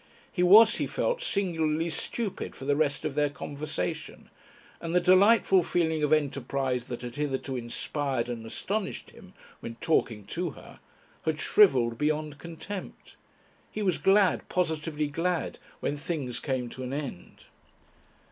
He was, he felt, singularly stupid for the rest of their conversation, and the delightful feeling of enterprise that had hitherto inspired and astonished him when talking to her had shrivelled beyond contempt. He was glad positively glad when things came to an end.